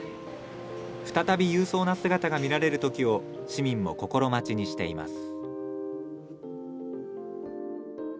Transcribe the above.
再び勇壮な姿が見られる時を市民も心待ちにしています。